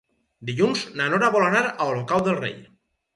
Dilluns na Nora vol anar a Olocau del Rei.